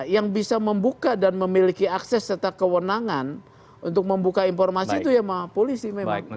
yang bisa membuka dan memiliki akses serta kewenangan untuk membuka informasi itu ya polisi memang